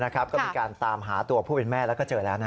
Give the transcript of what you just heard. ก็มีการตามหาตัวผู้เป็นแม่แล้วก็เจอแล้ว